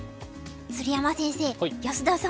鶴山先生安田さん